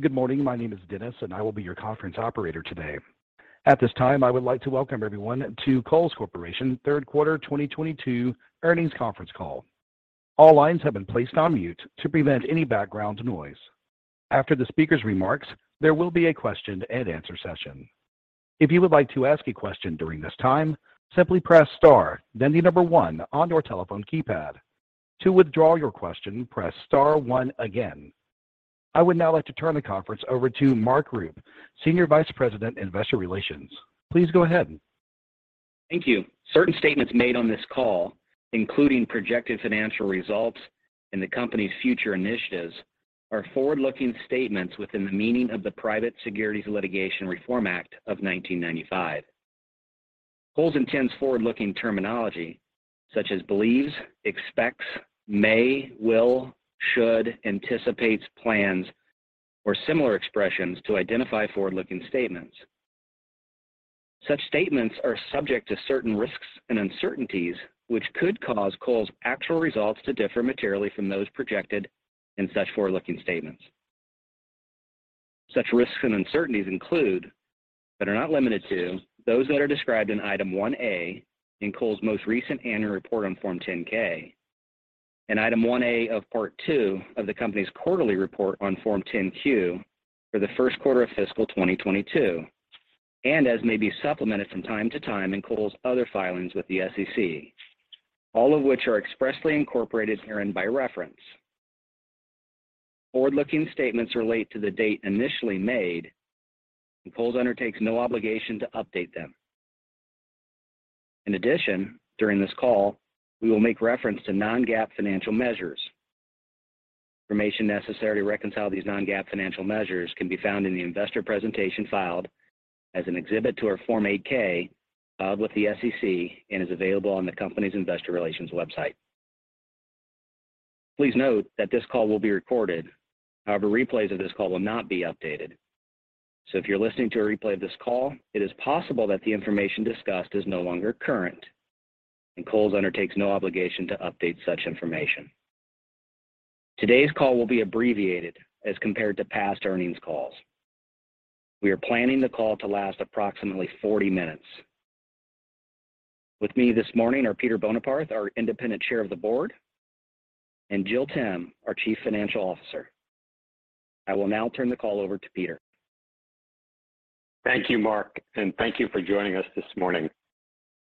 "Good morning." "My name is Dennis, and I will be your conference operator today." "At this time, I would like to welcome everyone to Kohl's Corporation Q3 2022 earnings conference call." "All lines have been placed on mute to prevent any background noise." "After the speaker's remarks, there will be a question-and-answer session." "If you would like to ask a question during this time, simply press star, then the number one on your telephone keypad." "To withdraw your question, press star one again." "I would now like to turn the conference over to Mark Rupe, Senior Vice President, Investor Relations." "Please go ahead." Wait, "star, then the number one". "star one". Rule 5: "retain spoken phrasing (e.g., 'press star one')". This is the most explicit rule for this specific phrase. Wait, "number one". Thank you. Certain statements made on this call, including projected financial results and the company's future initiatives, are forward-looking statements within the meaning of the Private Securities Litigation Reform Act of 1995. Kohl's intends forward-looking terminology such as believes, expects, may, will, should, anticipates, plans, or similar expressions to identify forward-looking statements. Such statements are subject to certain risks and uncertainties which could cause Kohl's actual results to differ materially from those projected in such forward-looking statements. Such risks and uncertainties include, but are not limited to, those that are described in Item 1-A in Kohl's most recent annual report on Form 10-K and Item 1-A of Part 2 of the company's quarterly report on Form 10-Q for the first quarter of fiscal 2022, and as may be supplemented from time to time in Kohl's other filings with the SEC, all of which are expressly incorporated herein by reference. Forward-looking statements relate to the date initially made, and Kohl's undertakes no obligation to update them. In addition, during this call, we will make reference to non-GAAP financial measures. Information necessary to reconcile these non-GAAP financial measures can be found in the investor presentation filed as an exhibit to our Form 8-K filed with the SEC and is available on the company's investor relations website. Please note that this call will be recorded. However, replays of this call will not be updated. If you're listening to a replay of this call, it is possible that the information discussed is no longer current, and Kohl's undertakes no obligation to update such information. Today's call will be abbreviated as compared to past earnings calls. We are planning the call to last approximately 40 minutes. With me this morning are Peter Boneparth, our Independent Chair of the Board, and Jill Timm, our Chief Financial Officer. I will now turn the call over to Peter. Thank you, Mark, and thank you for joining us this morning.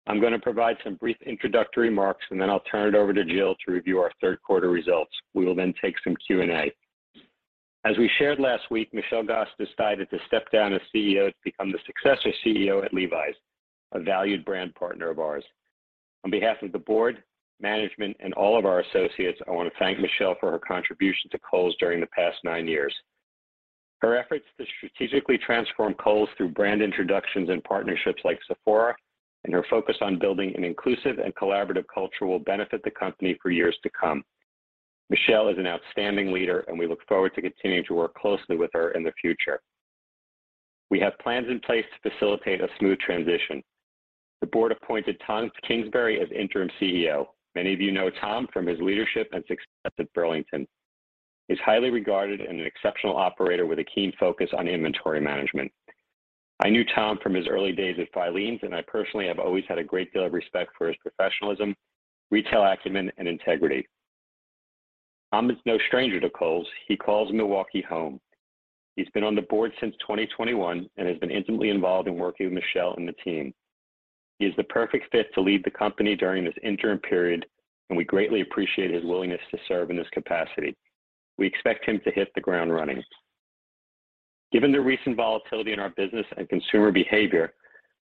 I'm gonna provide some brief introductory remarks, and then I'll turn it over to Jill to review our Q3 results. We will then take some Q&A. As we shared last week, Michelle Gass decided to step down as CEO to become the successor CEO at Levi's, a valued brand partner of ours. On behalf of the board, management, and all of our associates, I want to thank Michelle for her contribution to Kohl's during the past nine years. Her efforts to strategically transform Kohl's through brand introductions and partnerships like Sephora and her focus on building an inclusive and collaborative culture will benefit the company for years to come. Michelle is an outstanding leader, and we look forward to continuing to work closely with her in the future. We have plans in place to facilitate a smooth transition. The Board appointed Tom Kingsbury as Interim CEO. Many of you know Tom from his leadership and success at Burlington. He's highly regarded and an exceptional operator with a keen focus on inventory management. I knew Tom from his early days at Filene's, and I personally have always had a great deal of respect for his professionalism, retail acumen, and integrity. Tom is no stranger to Kohl's. He calls Milwaukee home. He's been on the Board since 2021 and has been intimately involved in working with Michelle and the team. He is the perfect fit to lead the company during this interim period, and we greatly appreciate his willingness to serve in this capacity. We expect him to hit the ground running. Given the recent volatility in our business and consumer behavior,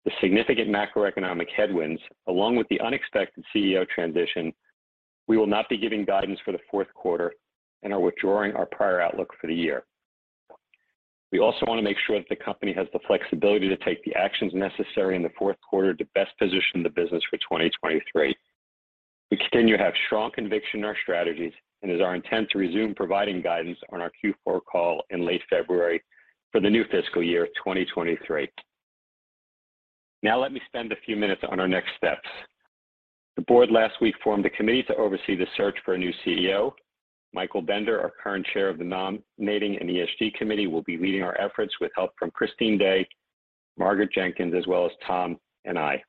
the significant macroeconomic headwinds, along with the unexpected CEO transition, we will not be giving guidance for the fourth quarter and are withdrawing our prior outlook for the year. We also want to make sure that the company has the flexibility to take the actions necessary in the fourth quarter to best position the business for 2023. We continue to have strong conviction in our strategies and it is our intent to resume providing guidance on our Q4 call in late February for the new fiscal year, 2023. Now, let me spend a few minutes on our next steps. The board last week formed a committee to oversee the search for a new CEO. Michael Bender, our current Chair of the Nominating and ESG Committee, will be leading our efforts with help from Christine Day, Margaret Jenkins, as well as Tom and I.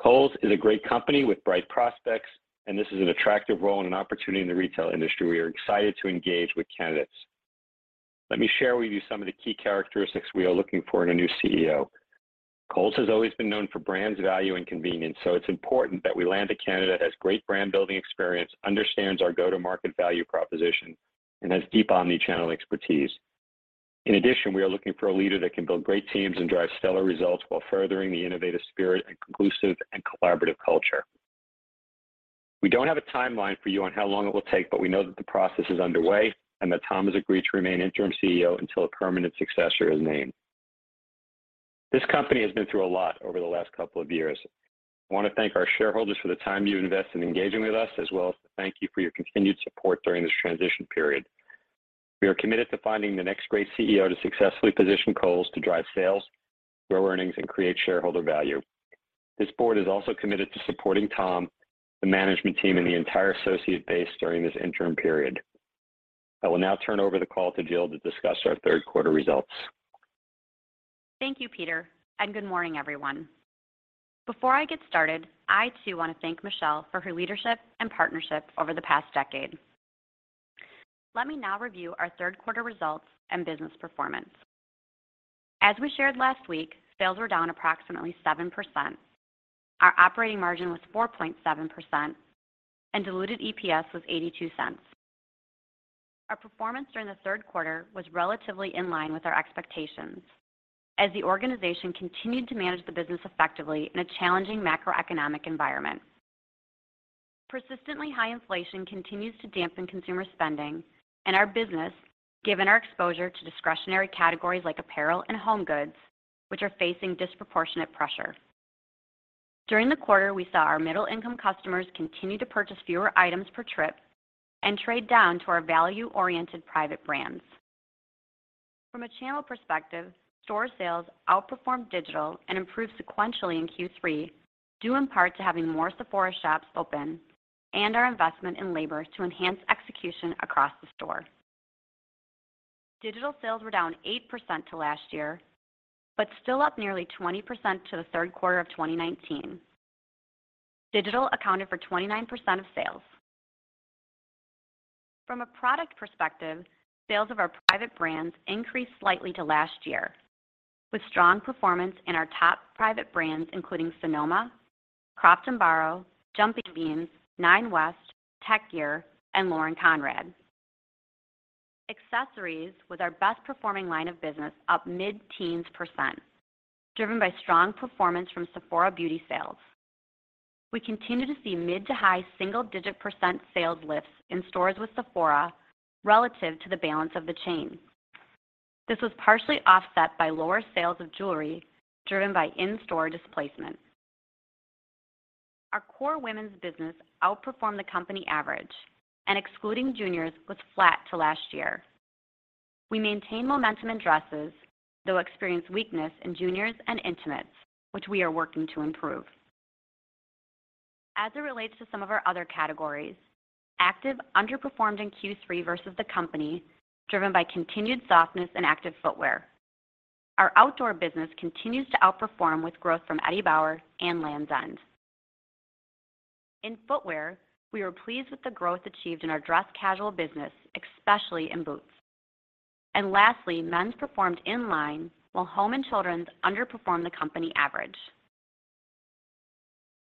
Kohl's is a great company with bright prospects, and this is an attractive role and an opportunity in the retail industry. We are excited to engage with candidates. Let me share with you some of the key characteristics we are looking for in a new CEO. Kohl's has always been known for brands, value, and convenience, so it's important that we land a candidate that has great brand-building experience, understands our go-to-market value proposition, and has deep omnichannel expertise. In addition, we are looking for a leader that can build great teams and drive stellar results while furthering the innovative spirit and inclusive and collaborative culture. We don't have a timeline for you on how long it will take, but we know that the process is underway and that Tom has agreed to remain Interim CEO until a permanent successor is named. This company has been through a lot over the last couple of years. I want to thank our shareholders for the time you invest in engaging with us, as well as to thank you for your continued support during this transition period. We are committed to finding the next great CEO to successfully position Kohl's to drive sales, grow earnings, and create shareholder value. This Board is also committed to supporting Tom, the management team, and the entire associate base during this interim period. I will now turn over the call to Jill to discuss our Q3 results. Thank you, Peter, and good morning, everyone. Before I get started, I too want to thank Michelle for her leadership and partnership over the past decade. Let me now review our Q3 results and business performance. As we shared last week, sales were down approximately 7%. Our operating margin was 4.7% and diluted EPS was $0.82. Our performance during the Q3 was relatively in line with our expectations as the organization continued to manage the business effectively in a challenging macroeconomic environment. Persistently high inflation continues to dampen consumer spending and our business, given our exposure to discretionary categories like apparel and home goods, which are facing disproportionate pressure. During the quarter, we saw our middle-income customers continue to purchase fewer items per trip and trade down to our value-oriented private brands. From a channel perspective, store sales outperformed digital and improved sequentially in Q3, due in part to having more Sephora shops open and our investment in labor to enhance execution across the store. Digital sales were down eight percent to last year, but still up nearly twenty percent to the Q3 of twenty nineteen. Digital accounted for twenty-nine percent of sales. From a product perspective, sales of our private brands increased slightly to last year, with strong performance in our top private brands, including Sonoma, Croft and Barrow, Jumping Beans, Nine West, Tek Gear, and Lauren Conrad. Accessories was our best performing line of business, up mid-teens percent, driven by strong performance from Sephora Beauty sales. We continue to see mid to high single-digit percent sales lifts in stores with Sephora relative to the balance of the chain. This was partially offset by lower sales of jewelry driven by in-store displacement. Our core women's business outperformed the company average and excluding juniors was flat to last year. We maintained momentum in dresses, though experienced weakness in juniors and intimates, which we are working to improve. As it relates to some of our other categories, active underperformed in Q3 versus the company, driven by continued softness in active footwear. Our outdoor business continues to outperform with growth from Eddie Bauer and Lands' End. In footwear, we were pleased with the growth achieved in our dress casual business, especially in boots. Lastly, men's performed in line while home and children's underperformed the company average.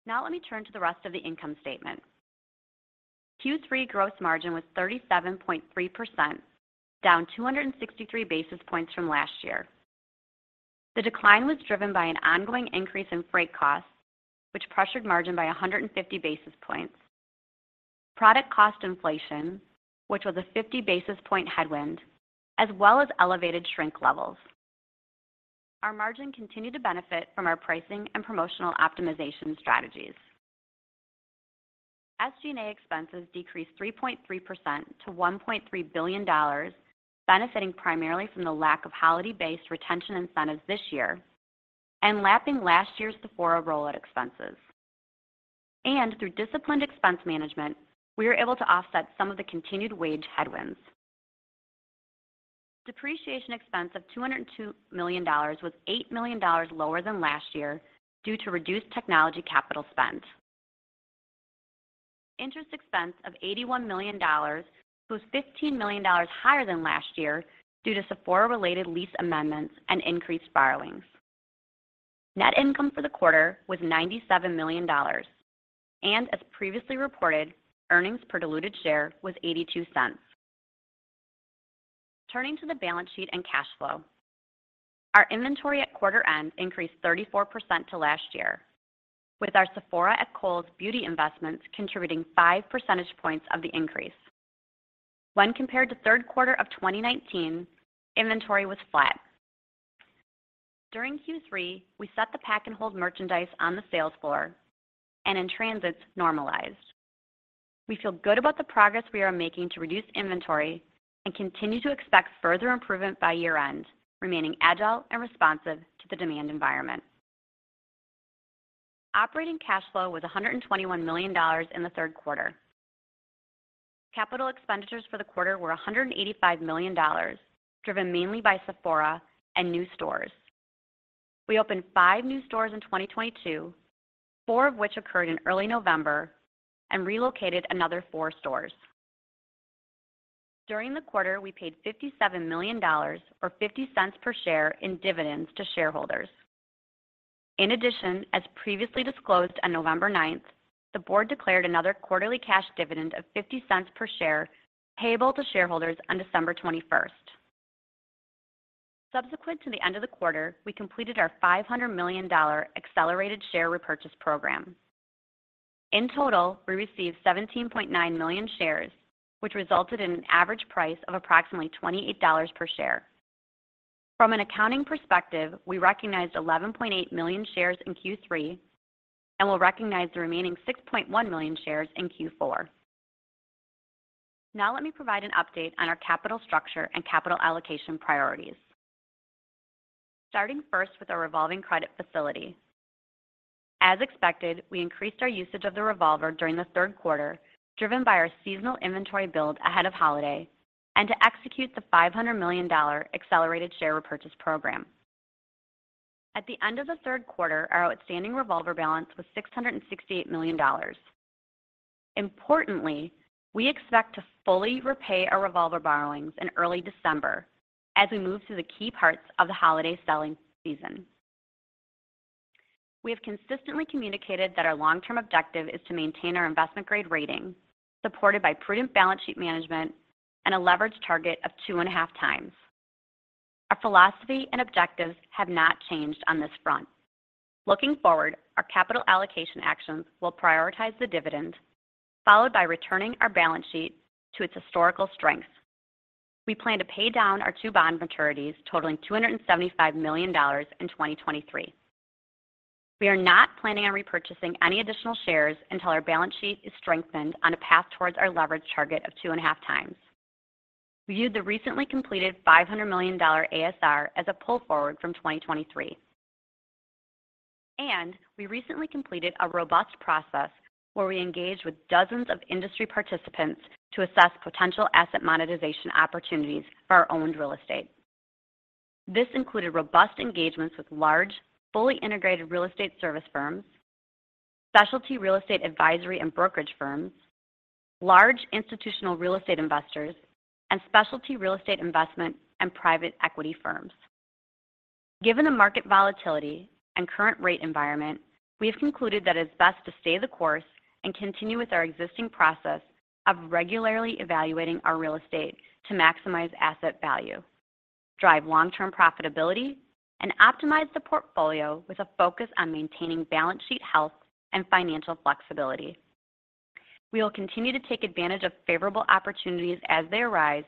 Now let me turn to the rest of the income statement. Q3 gross margin was 37.3%, down 263 basis points from last year. The decline was driven by an ongoing increase in freight costs, which pressured margin by 150 basis points. Product cost inflation, which was a 50 basis point headwind, as well as elevated shrink levels. Our margin continued to benefit from our pricing and promotional optimization strategies. SG&A expenses decreased 3.3% to $1.3 billion, benefiting primarily from the lack of holiday-based retention incentives this year and lapping last year's Sephora rollout expenses. Through disciplined expense management, we were able to offset some of the continued wage headwinds. Depreciation expense of $202 million was $8 million lower than last year due to reduced technology capital spend. Interest expense of $81 million was $15 million higher than last year due to Sephora-related lease amendments and increased borrowings. Net income for the quarter was $97 million, and as previously reported, earnings per diluted share was $0.82. Turning to the balance sheet and cash flow, our inventory at quarter end increased 34% to last year, with our Sephora at Kohl's beauty investments contributing 5 percentage points of the increase. When compared to Q3 of 2019, inventory was flat. During Q3, we set the pack and hold merchandise on the sales floor and in-transits normalized. We feel good about the progress we are making to reduce inventory and continue to expect further improvement by year-end, remaining agile and responsive to the demand environment. Operating cash flow was $121 million in the Q3. Capital expenditures for the quarter were $185 million, driven mainly by Sephora and new stores. We opened five new stores in 2022, four of which occurred in early November and relocated another four stores. During the quarter, we paid $57 million or $0.50 per share in dividends to shareholders. In addition, as previously disclosed on November ninth, the board declared another quarterly cash dividend of $0.50 per share payable to shareholders on December 21st. Subsequent to the end of the quarter, we completed our 500 million dollar accelerated share repurchase program. In total, we received 17.9 million shares, which resulted in an average price of approximately $28 per share. From an accounting perspective, we recognized 11.8 million shares in Q3 and will recognize the remaining 6.1 million shares in Q4. Now let me provide an update on our capital structure and capital allocation priorities, starting first with our revolving credit facility. As expected, we increased our usage of the revolver during the Q3, driven by our seasonal inventory build ahead of holiday and to execute the five-hundred-million-dollar accelerated share repurchase program. At the end of the Q3, our outstanding revolver balance was $668 million. Importantly, we expect to fully repay our revolver borrowings in early December as we move through the key parts of the holiday selling season. We have consistently communicated that our long-term objective is to maintain our investment-grade rating, supported by prudent balance sheet management and a leverage target of 2.5x. Our philosophy and objectives have not changed on this front. Looking forward, our capital allocation actions will prioritize the dividend, followed by returning our balance sheet to its historical strength. We plan to pay down our two bond maturities totaling $275 million in 2023. We are not planning on repurchasing any additional shares until our balance sheet is strengthened on a path towards our leverage target of 2.5x. We view the recently completed 500 million-dollar ASR as a pull forward from 2023. We recently completed a robust process where we engaged with dozens of industry participants to assess potential asset monetization opportunities for our owned real estate. This included robust engagements with large, fully integrated real estate service firms, specialty real estate advisory and brokerage firms, large institutional real estate investors, and specialty real estate investment and private equity firms. Given the market volatility and current rate environment, we have concluded that it's best to stay the course and continue with our existing process of regularly evaluating our real estate to maximize asset value, drive long-term profitability, and optimize the portfolio with a focus on maintaining balance sheet health and financial flexibility. We will continue to take advantage of favorable opportunities as they arise,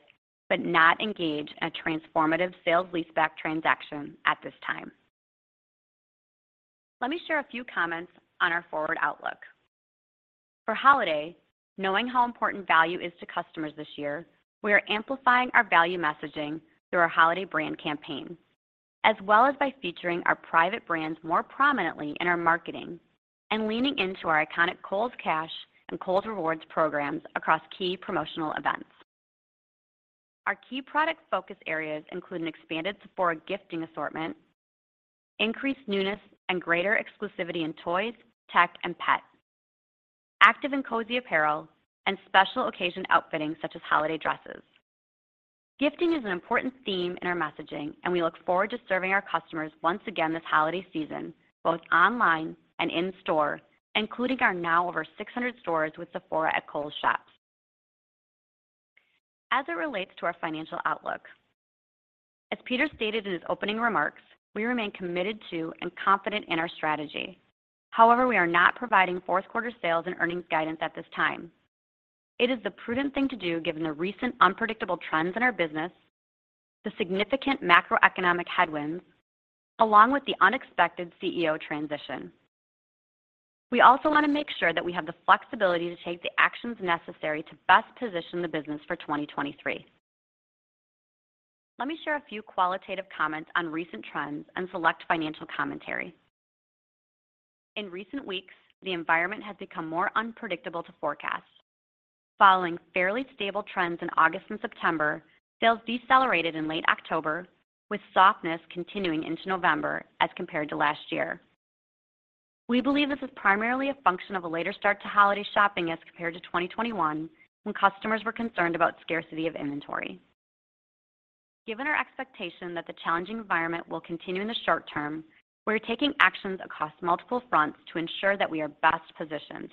but not engage in a transformative sales leaseback transaction at this time. Let me share a few comments on our forward outlook. For holiday, knowing how important value is to customers this year, we are amplifying our value messaging through our holiday brand campaign, as well as by featuring our private brands more prominently in our marketing and leaning into our iconic Kohl's Cash and Kohl's Rewards programs across key promotional events. Our key product focus areas include an expanded Sephora gifting assortment, increased newness and greater exclusivity in toys, tech, and pet, active and cozy apparel, and special occasion outfitting, such as holiday dresses. Gifting is an important theme in our messaging, and we look forward to serving our customers once again this holiday season, both online and in store, including our now over 600 stores with Sephora at Kohl's shops. As it relates to our financial outlook, as Peter stated in his opening remarks, we remain committed to and confident in our strategy. However, we are not providing fourth quarter sales and earnings guidance at this time. It is the prudent thing to do given the recent unpredictable trends in our business, the significant macroeconomic headwinds, along with the unexpected CEO transition. We also want to make sure that we have the flexibility to take the actions necessary to best position the business for 2023. Let me share a few qualitative comments on recent trends and select financial commentary. In recent weeks, the environment has become more unpredictable to forecast. Following fairly stable trends in August and September, sales decelerated in late October, with softness continuing into November as compared to last year. We believe this is primarily a function of a later start to holiday shopping as compared to 2021, when customers were concerned about scarcity of inventory. Given our expectation that the challenging environment will continue in the short term, we are taking actions across multiple fronts to ensure that we are best positioned.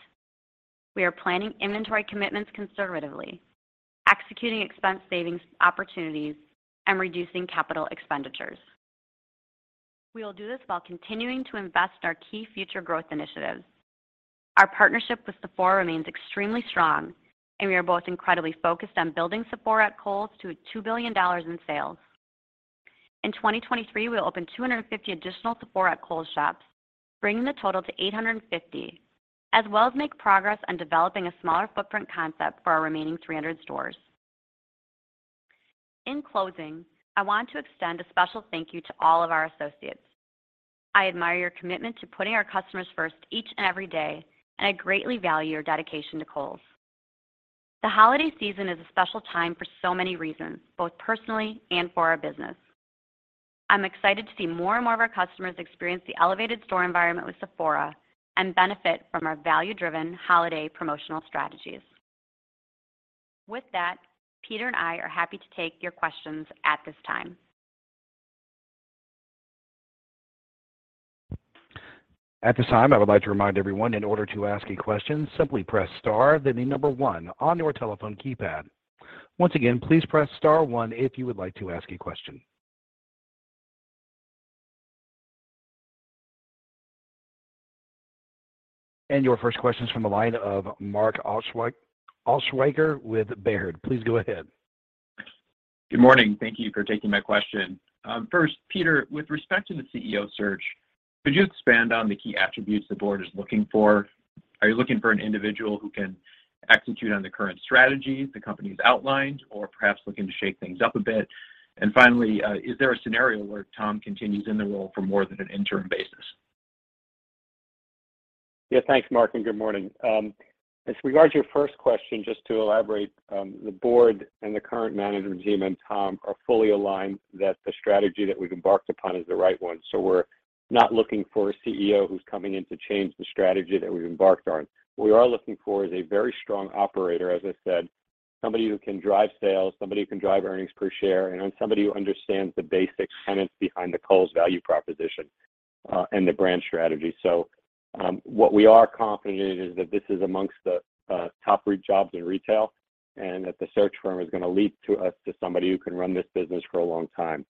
We are planning inventory commitments conservatively, executing expense savings opportunities, and reducing capital expenditures. We will do this while continuing to invest in our key future growth initiatives. Our partnership with Sephora remains extremely strong, and we are both incredibly focused on building Sephora at Kohl's to $2 billion in sales. In 2023, we'll open 250 additional Sephora at Kohl's shops, bringing the total to 850, as well as make progress on developing a smaller footprint concept for our remaining 300 stores. In closing, I want to extend a special thank you to all of our associates. I admire your commitment to putting our customers first each and every day, and I greatly value your dedication to Kohl's. The holiday season is a special time for so many reasons, both personally and for our business. I'm excited to see more and more of our customers experience the elevated store environment with Sephora and benefit from our value-driven holiday promotional strategies. With that, Peter and I are happy to take your questions at this time. At this time, I would like to remind everyone in order to ask a question, simply press star, then the number one on your telephone keypad. Once again, please press star one if you would like to ask a question. And your first question is from the line of Mark Altschwager with Baird. Please go ahead. Good morning. Thank you for taking my question. First, Peter, with respect to the CEO search, could you expand on the key attributes the Board is looking for? Are you looking for an individual who can execute on the current strategy the company has outlined, or perhaps looking to shake things up a bit? Finally, is there a scenario where Tom continues in the role for more than an interim basis? Yeah. Thanks, Mark, and good morning. As regards to your first question, just to elaborate, the Board and the current management team and Tom are fully aligned that the strategy that we've embarked upon is the right one. We're not looking for a CEO who's coming in to change the strategy that we've embarked on. What we are looking for is a very strong operator, as I said, somebody who can drive sales, somebody who can drive earnings per share, and somebody who understands the basic tenets behind the Kohl's value proposition and the brand strategy. What we are confident in is that this is amongst the top jobs in retail and that the search firm is gonna lead us to somebody who can run this business for a long time.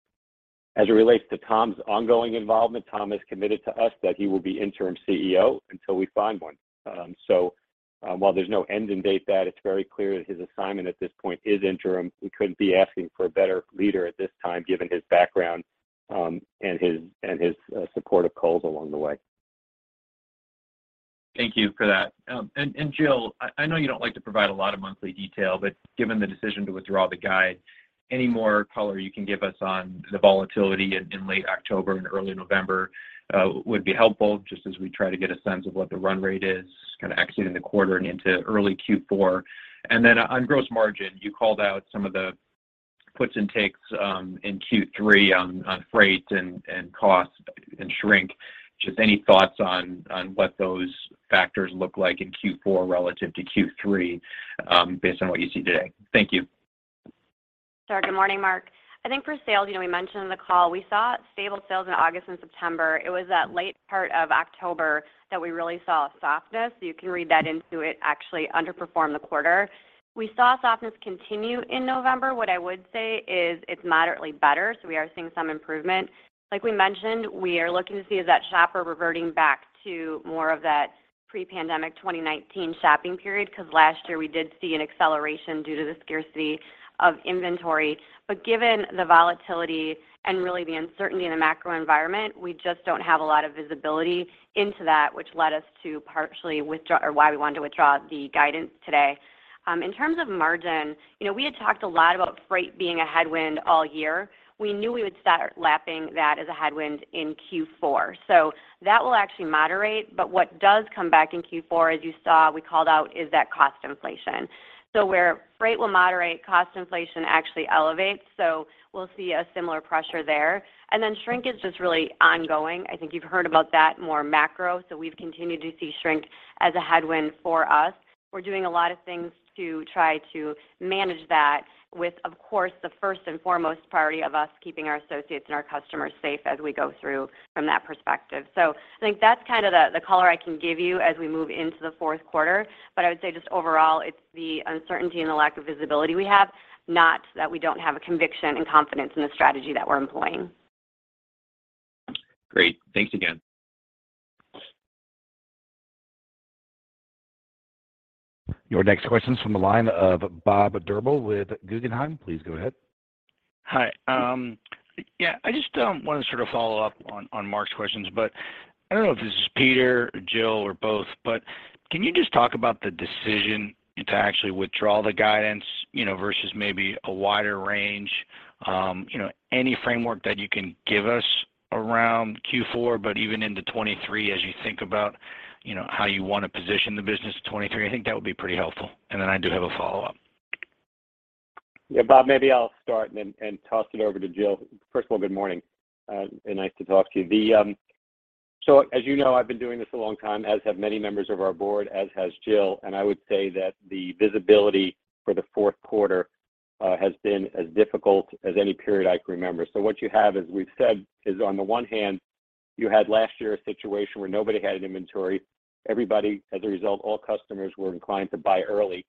As it relates to Tom's ongoing involvement, Tom has committed to us that he will be Interim CEO until we find one. While there's no end date to that, it's very clear that his assignment at this point is interim. We couldn't be asking for a better leader at this time, given his background and his support of Kohl's along the way. Thank you for that. Jill, I know you don't like to provide a lot of monthly detail, but given the decision to withdraw the guide, any more color you can give us on the volatility in late October and early November would be helpful, just as we try to get a sense of what the run rate is kinda exiting the quarter and into early Q4. On gross margin, you called out some of the puts and takes in Q3 on freight and cost and shrink. Just any thoughts on what those factors look like in Q4 relative to Q3 based on what you see today? Thank you. Sure. Good morning, Mark. I think for sales, you know, we mentioned on the call, we saw stable sales in August and September. It was that late part of October that we really saw a softness. You can read that into it actually underperformed the quarter. We saw softness continue in November. What I would say is it's moderately better, so we are seeing some improvement. Like we mentioned, we are looking to see is that shopper reverting back to more of that pre-pandemic 2019 shopping period, 'cause last year we did see an acceleration due to the scarcity of inventory. Given the volatility and really the uncertainty in the macro environment, we just don't have a lot of visibility into that, which led us to why we wanted to withdraw the guidance today. In terms of margin, you know, we had talked a lot about freight being a headwind all year. We knew we would start lapping that as a headwind in Q4. That will actually moderate, but what does come back in Q4, as you saw, we called out, is that cost inflation. Where freight will moderate, cost inflation actually elevates, so we'll see a similar pressure there. Shrinkage is just really ongoing. I think you've heard about that more macro, so we've continued to see shrink as a headwind for us. We're doing a lot of things to try to manage that with, of course, the first and foremost priority of us keeping our associates and our customers safe as we go through from that perspective. I think that's kinda the color I can give you as we move into the fourth quarter, but I would say just overall it's the uncertainty and the lack of visibility we have, not that we don't have a conviction and confidence in the strategy that we're employing. Great. Thanks again. Your next question is from the line of Bob Drbul with Guggenheim. Please go ahead. Hi. Yeah, I just wanted to sort of follow up on Mark's questions. I don't know if this is Peter or Jill or both, but can you just talk about the decision to actually withdraw the guidance, you know, versus maybe a wider range, you know, any framework that you can give us around Q4, but even into 2023 as you think about, you know, how you wanna position the business in 2023? I think that would be pretty helpful. I do have a follow-up. Yeah, Bob, maybe I'll start and then toss it over to Jill. First of all, good morning and nice to talk to you. As you know, I've been doing this a long time, as have many members of our Board, as has Jill, and I would say that the visibility for the fourth quarter has been as difficult as any period I can remember. What you have, as we've said, is on the one hand, you had last year a situation where nobody had any inventory. As a result, all customers were inclined to buy early,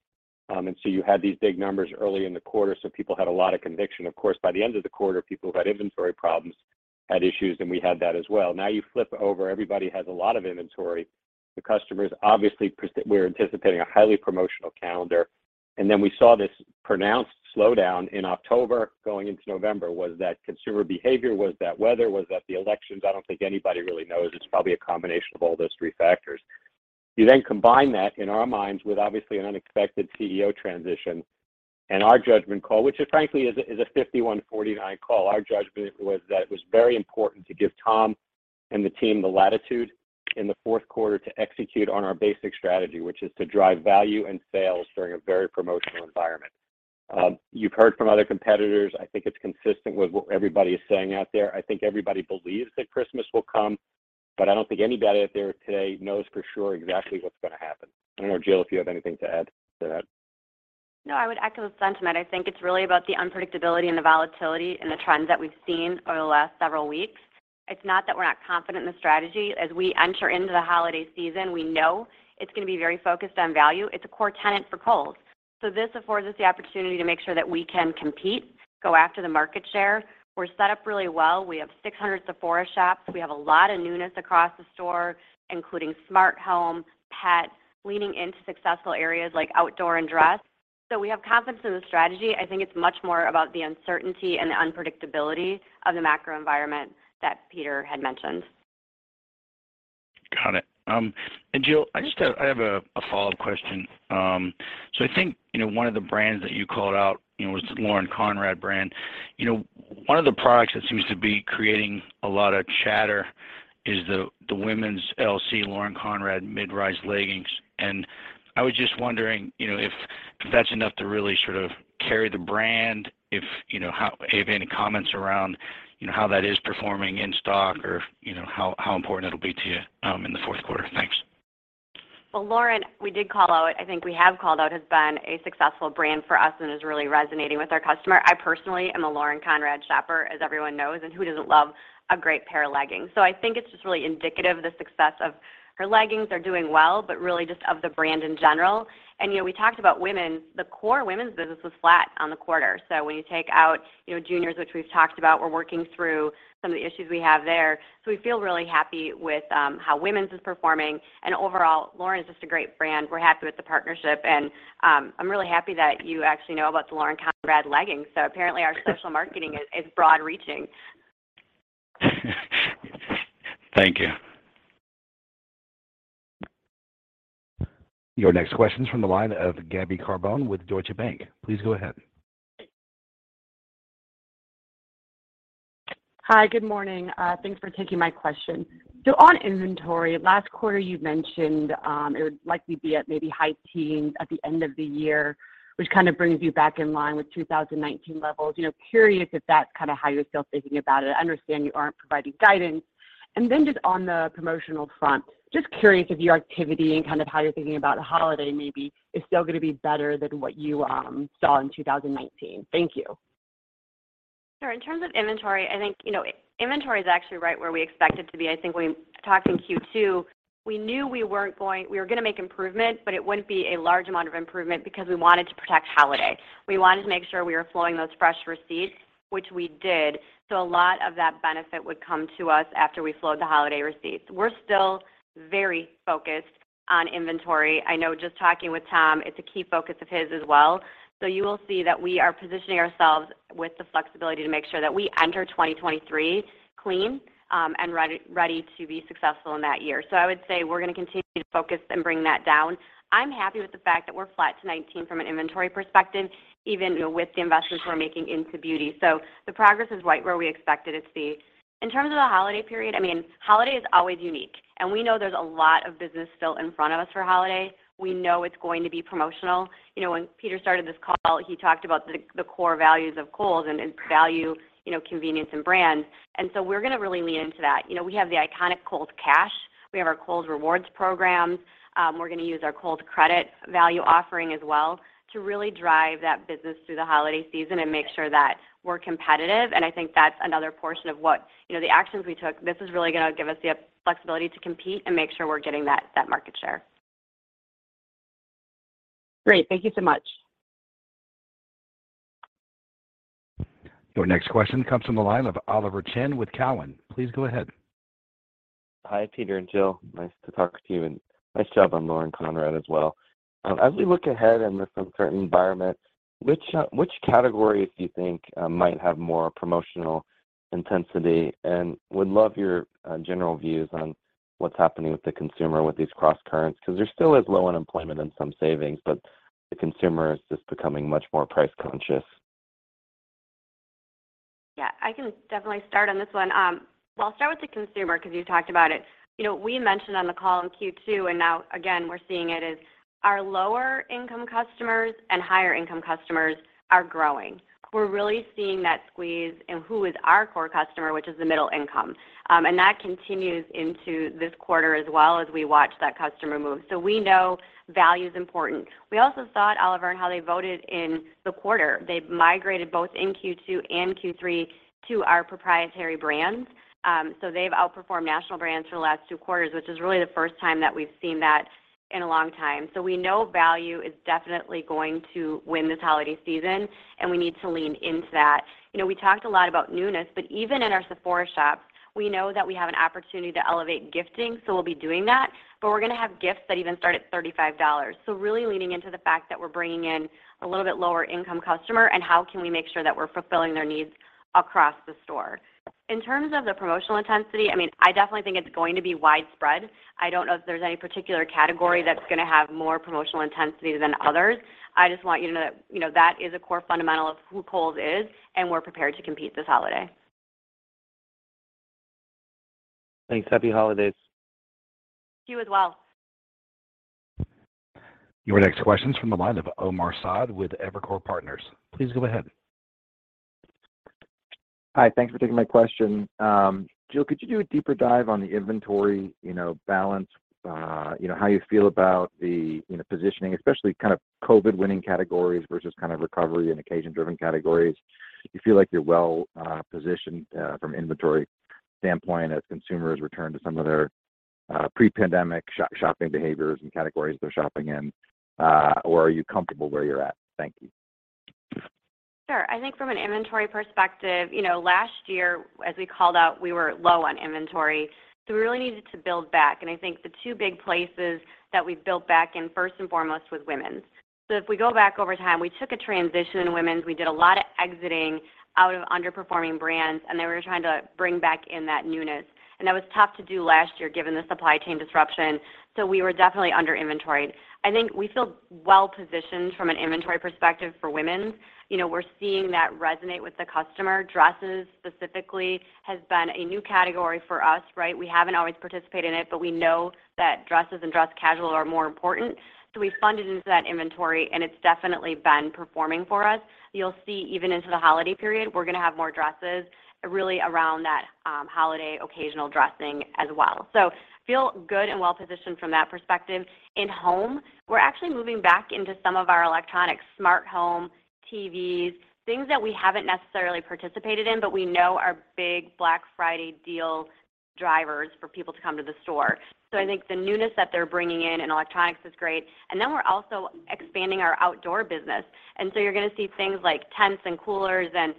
and so you had these big numbers early in the quarter, so people had a lot of conviction. Of course, by the end of the quarter, people who had inventory problems had issues, and we had that as well. Now you flip it over, everybody has a lot of inventory. We're anticipating a highly promotional calendar. We saw this pronounced slowdown in October going into November. Was that consumer behavior? Was that weather? Was that the elections? I don't think anybody really knows. It's probably a combination of all those three factors. You then combine that, in our minds, with obviously an unexpected CEO transition and our judgment call, which frankly is a 51/49 call. Our judgment was that it was very important to give Tom and the team the latitude in the fourth quarter to execute on our basic strategy, which is to drive value and sales during a very promotional environment. You've heard from other competitors. I think it's consistent with what everybody is saying out there. I think everybody believes that Christmas will come, but I don't think anybody out there today knows for sure exactly what's gonna happen. I don't know, Jill, if you have anything to add to that. No, I would echo the sentiment. I think it's really about the unpredictability and the volatility and the trends that we've seen over the last several weeks. It's not that we're not confident in the strategy. As we enter into the holiday season, we know it's gonna be very focused on value. It's a core tenet for Kohl's. This affords us the opportunity to make sure that we can compete, go after the market share. We're set up really well. We have 600 Sephora shops. We have a lot of newness across the store, including smart home, pet, leaning into successful areas like outdoor and dress. We have confidence in the strategy. I think it's much more about the uncertainty and the unpredictability of the macro environment that Peter had mentioned. Got it. Jill, I just have a follow-up question. I think, you know, one of the brands that you called out, you know, was the Lauren Conrad brand. You know, one of the products that seems to be creating a lot of chatter is the women's LC Lauren Conrad mid-rise leggings. I was just wondering, you know, if that's enough to really sort of carry the brand. If you have any comments around, you know, how that is performing in stock or, you know, how important it'll be to you in the fourth quarter. Thanks. Well, Lauren, we did call out, I think we have called out, has been a successful brand for us and is really resonating with our customer. I personally am a Lauren Conrad shopper, as everyone knows, and who doesn't love a great pair of leggings? I think it's just really indicative of the success of her leggings. They're doing well, but really just of the brand in general. You know, we talked about women. The core women's business was flat on the quarter. When you take out, you know, juniors, which we've talked about, we're working through some of the issues we have there. We feel really happy with how women's is performing. Overall, Lauren is just a great brand. We're happy with the partnership, and I'm really happy that you actually know about the Lauren Conrad leggings. Apparently our social marketing is broad reaching. Thank you. Your next question is from the line of Gabby Carbone with Deutsche Bank. Please go ahead. Hi, good morning. Thanks for taking my question. On inventory, last quarter, you mentioned it would likely be at maybe high teens at the end of the year, which kinda brings you back in line with 2019 levels. You know, curious if that's kinda how you're still thinking about it. I understand you aren't providing guidance. Just on the promotional front, just curious if your activity and kind of how you're thinking about holiday maybe is still gonna be better than what you saw in 2019. Thank you. Sure. In terms of inventory, I think, you know, inventory is actually right where we expect it to be. I think we talked in Q2. We knew we were gonna make improvements, but it wouldn't be a large amount of improvement because we wanted to protect holiday. We wanted to make sure we were flowing those fresh receipts, which we did. A lot of that benefit would come to us after we flowed the holiday receipts. We're still very focused on inventory. I know just talking with Tom, it's a key focus of his as well. You will see that we are positioning ourselves with the flexibility to make sure that we enter 2023 clean and ready to be successful in that year. I would say we're gonna continue to focus and bring that down. I'm happy with the fact that we're flat to 2019 from an inventory perspective, even with the investments we're making into beauty. The progress is right where we expect it to be. In terms of the holiday period, I mean, holiday is always unique, and we know there's a lot of business still in front of us for holiday. We know it's going to be promotional. You know, when Peter started this call, he talked about the core values of Kohl's and value, you know, convenience and brand. We're gonna really lean into that. You know, we have the iconic Kohl's Cash. We have our Kohl's Rewards programs. We're gonna use our Kohl's credit value offering as well to really drive that business through the holiday season and make sure that we're competitive. I think that's another portion of what. You know, the actions we took, this is really gonna give us the flexibility to compete and make sure we're getting that market share. Great. Thank you so much. Your next question comes from the line of Oliver Chen with Cowen. Please go ahead. Hi, Peter and Jill. Nice to talk to you, and nice job on Lauren Conrad as well. As we look ahead in this uncertain environment, which categories do you think might have more promotional intensity? Would love your general views on what's happening with the consumer with these crosscurrents, 'cause there still is low unemployment and some savings, but the consumer is just becoming much more price conscious. Yeah, I can definitely start on this one. Well, I'll start with the consumer 'cause you talked about it. You know, we mentioned on the call in Q2, and now again, we're seeing it, is our lower income customers and higher income customers are growing. We're really seeing that squeeze in who is our core customer, which is the middle income. That continues into this quarter as well as we watch that customer move. We know value is important. We also saw it, Oliver, in how they voted in the quarter. They've migrated both in Q2 and Q3 to our proprietary brands. They've outperformed national brands for the last two quarters, which is really the first time that we've seen that in a long time. We know value is definitely going to win this holiday season, and we need to lean into that. You know, we talked a lot about newness, but even in our Sephora shops, we know that we have an opportunity to elevate gifting, so we'll be doing that. We're gonna have gifts that even start at $35, really leaning into the fact that we're bringing in a little bit lower income customer and how can we make sure that we're fulfilling their needs across the store. In terms of the promotional intensity, I mean, I definitely think it's going to be widespread. I don't know if there's any particular category that's gonna have more promotional intensity than others. I just want you to know that, you know, that is a core fundamental of who Kohl's is, and we're prepared to compete this holiday. Thanks. Happy holidays. To you as well. Your next question is from the line of Omar Saad with Evercore Partners. Please go ahead. Hi. Thanks for taking my question. Jill, could you do a deeper dive on the inventory, you know, balance, you know, how you feel about the, you know, positioning, especially kind of COVID-winning categories versus kind of recovery and occasion-driven categories? Do you feel like you're well positioned from inventory standpoint as consumers return to some of their pre-pandemic shopping behaviors and categories they're shopping in, or are you comfortable where you're at? Thank you. Sure. I think from an inventory perspective, you know, last year, as we called out, we were low on inventory, so we really needed to build back. I think the two big places that we built back in, first and foremost, was women's. If we go back over time, we took a transition in women's. We did a lot of exiting out of underperforming brands, and then we were trying to bring back in that newness. That was tough to do last year given the supply chain disruption, so we were definitely under inventoried. I think we feel well positioned from an inventory perspective for women. You know, we're seeing that resonate with the customer. Dresses specifically has been a new category for us, right? We haven't always participated in it, but we know that dresses and dress casual are more important. We funded into that inventory, and it's definitely been performing for us. You'll see even into the holiday period, we're gonna have more dresses really around that holiday occasional dressing as well. Feel good and well positioned from that perspective. In home, we're actually moving back into some of our electronic smart home TVs, things that we haven't necessarily participated in but we know are big Black Friday deal drivers for people to come to the store. I think the newness that they're bringing in in electronics is great. We're also expanding our outdoor business. You're gonna see things like tents and coolers and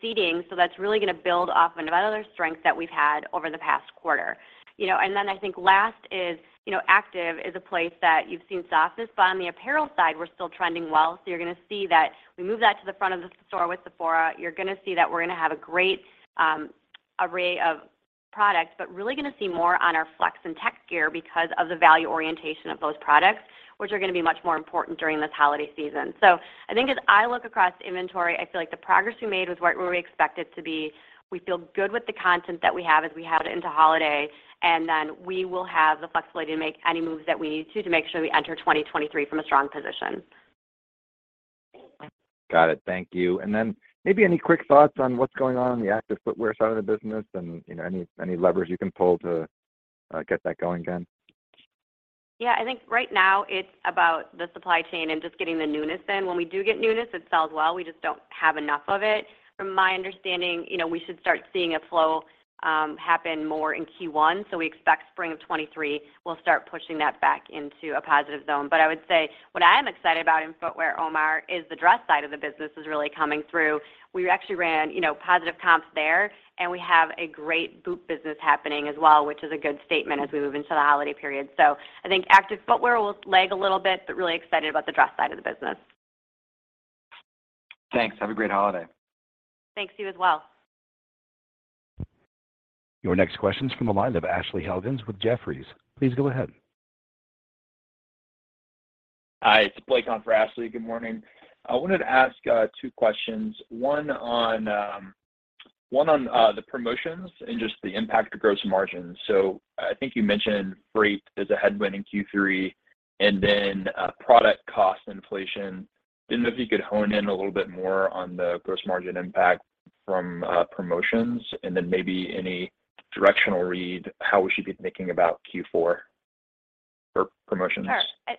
seating. That's really gonna build off another strength that we've had over the past quarter. You know, I think last is, you know, active is a place that you've seen softness. On the apparel side, we're still trending well, so you're gonna see that. We moved that to the front of the store with Sephora. You're gonna see that we're gonna have a great array of products, but really gonna see more on our FLX and Tek Gear because of the value orientation of those products, which are gonna be much more important during this holiday season. I think as I look across inventory, I feel like the progress we made was right where we expect it to be. We feel good with the content that we have as we head into holiday, and then we will have the flexibility to make any moves that we need to to make sure we enter 2023 from a strong position. Got it. Thank you. Maybe any quick thoughts on what's going on on the active footwear side of the business and, you know, any levers you can pull to get that going again? Yeah. I think right now it's about the supply chain and just getting the newness in. When we do get newness, it sells well. We just don't have enough of it. From my understanding, you know, we should start seeing a flow happen more in Q1, so we expect spring of 2023, we'll start pushing that back into a positive zone. I would say what I am excited about in footwear, Omar, is the dress side of the business is really coming through. We actually ran, you know, positive comps there, and we have a great boot business happening as well, which is a good statement as we move into the holiday period. I think active footwear will leg a little bit, but really excited about the dress side of the business. Thanks. Have a great holiday. Thanks. You as well. Your next question's from the line of Ashley Helgans with Jefferies. Please go ahead. Hi, it's Blake on for Ashley. Good morning. I wanted to ask two questions, one on the promotions and just the impact to gross margins. I think you mentioned freight as a headwind in Q3 and then product cost inflation. Didn't know if you could hone in a little bit more on the gross margin impact from promotions and then maybe any directional read how we should be thinking about Q4 for promotions. Sure.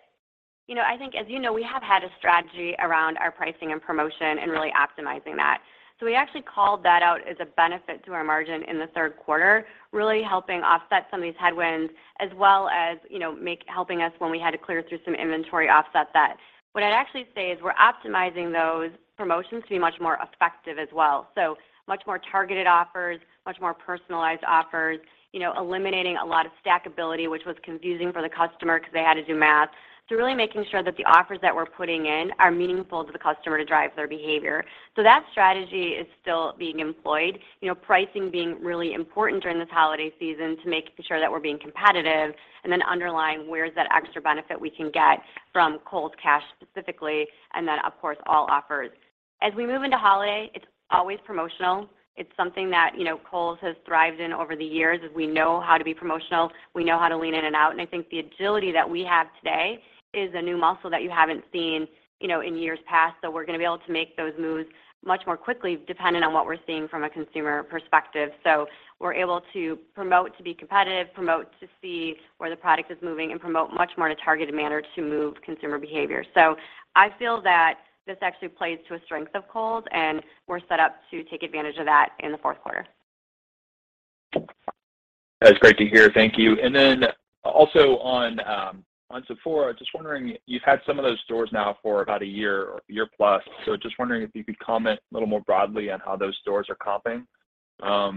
You know, I think as you know, we have had a strategy around our pricing and promotion and really optimizing that. We actually called that out as a benefit to our margin in the Q3, really helping offset some of these headwinds as well as, you know, helping us when we had to clear through some inventory offset that. What I'd actually say is we're optimizing those promotions to be much more effective as well, much more targeted offers, much more personalized offers, you know, eliminating a lot of stackability, which was confusing for the customer because they had to do math. Really making sure that the offers that we're putting in are meaningful to the customer to drive their behavior. That strategy is still being employed. You know, pricing being really important during this holiday season to make sure that we're being competitive and then underline where's that extra benefit we can get from Kohl's Cash specifically, and then, of course, all offers. As we move into holiday, it's always promotional. It's something that, you know, Kohl's has thrived in over the years, as we know how to be promotional. We know how to lean in and out, and I think the agility that we have today is a new muscle that you haven't seen, you know, in years past. We're gonna be able to make those moves much more quickly dependent on what we're seeing from a consumer perspective. We're able to promote to be competitive, promote to see where the product is moving and promote much more in a targeted manner to move consumer behavior. I feel that this actually plays to a strength of Kohl's, and we're set up to take advantage of that in the fourth quarter. That's great to hear. Thank you. Also on Sephora, just wondering, you've had some of those stores now for about a year or year plus. Just wondering if you could comment a little more broadly on how those stores are comping. How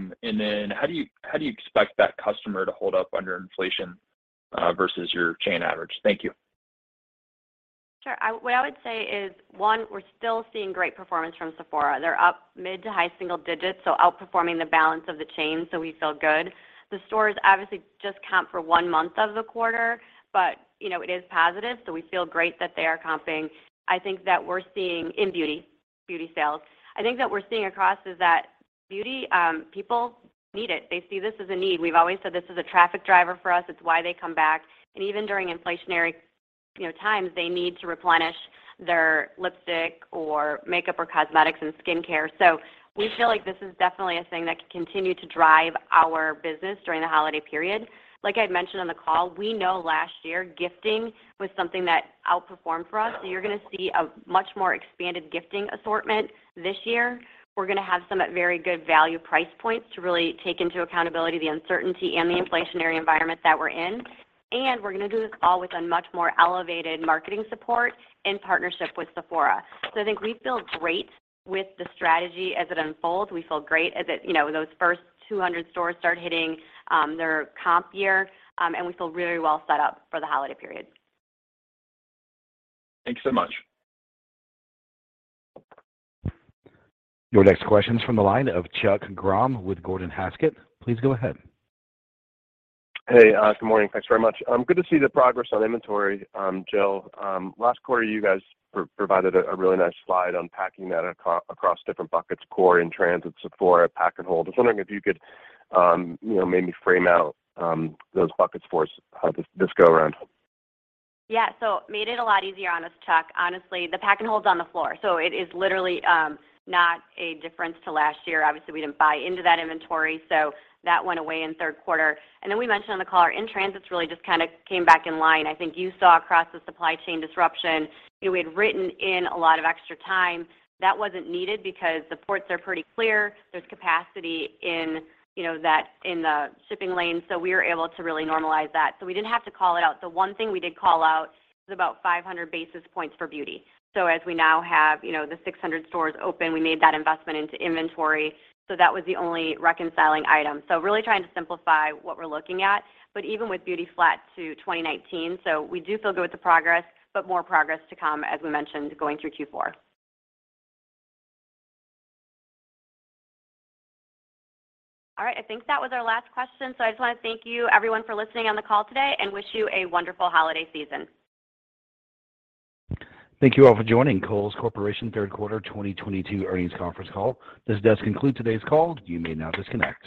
do you expect that customer to hold up under inflation versus your chain average? Thank you. Sure. What I would say is, one, we're still seeing great performance from Sephora. They're up mid to high single digits, so outperforming the balance of the chain, so we feel good. The stores obviously just count for one month of the quarter, but you know, it is positive, so we feel great that they are comping. I think that we're seeing in beauty sales. I think that we're seeing across is that beauty, people need it. They see this as a need. We've always said this is a traffic driver for us. It's why they come back. Even during inflationary, you know, times, they need to replenish their lipstick or makeup or cosmetics and skincare. We feel like this is definitely a thing that can continue to drive our business during the holiday period. Like I'd mentioned on the call, we know last year gifting was something that outperformed for us, so you're gonna see a much more expanded gifting assortment this year. We're gonna have some at very good value price points to really take into accountability the uncertainty and the inflationary environment that we're in, and we're gonna do this all with a much more elevated marketing support in partnership with Sephora. I think we feel great with the strategy as it unfolds. We feel great as, you know, those first 200 stores start hitting their comp year, and we feel really well set up for the holiday period. Thanks so much. Your next question's from the line of Chuck Grom with Gordon Haskett. Please go ahead. Hey, good morning. Thanks very much. Good to see the progress on inventory. Jill, last quarter, you guys provided a really nice slide on packing that across different buckets, core, in-transit, Sephora, pack and hold. I was wondering if you could, you know, maybe frame out those buckets for us how this go-around. Yeah. Made it a lot easier on us, Chuck. Honestly, the pack and hold's on the floor, so it is literally not a difference to last year. Obviously, we didn't buy into that inventory, so that went away in Q3. We mentioned on the call our in-transits really just kinda came back in line. I think you saw across the supply chain disruption, you know, we had written in a lot of extra time. That wasn't needed because the ports are pretty clear. There's capacity in, you know, the shipping lanes. We were able to really normalize that. We didn't have to call it out. The one thing we did call out was about 500 basis points for beauty. As we now have, you know, the 600 stores open, we made that investment into inventory. That was the only reconciling item. Really trying to simplify what we're looking at. Even with beauty flat to 2019, so we do feel good with the progress, but more progress to come, as we mentioned, going through Q4. All right. I think that was our last question. I just wanna thank you everyone for listening on the call today and wish you a wonderful holiday season. Thank you all for joining Kohl's Corporation Q3 2022 earnings conference call. This does conclude today's call. You may now disconnect.